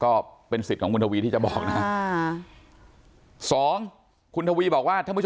ก็เป็นสิทธิ์ของมรุนทวีที่จะบอกนะฮะสองศตรีบอกว่าเท่าไม่เจอ